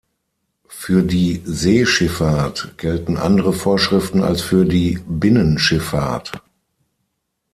Für die Seeschifffahrt gelten andere Vorschriften als für die Binnenschifffahrt.